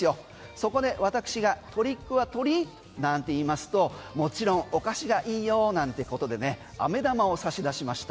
そこで私がトリック・オア・トリートなんて言いますともちろんお菓子いいよなんてことでね飴玉を差し出しました。